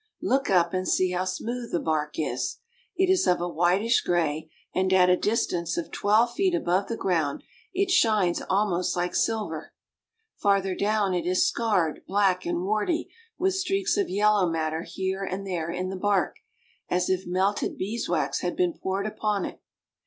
Look up and see how smooth the bark is. It is of a whitish gray, and at a dis tance of twelve feet above the ground it shines almost like CARP. S. AM. — 20 3i6 BRAZIL. silver Farther down it is scarred, black, and warty, with streaks of yellow matter here and there in the bark, as if melted beeswax had been poured upon it.